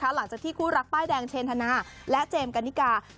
หลังจากที่คู่รักป้ายแดงเชนธนาและเจมส์กันนิกา